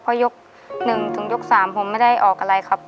เพราะยกหนึ่งถึงยกสามผมไม่ได้ออกกันไรครับ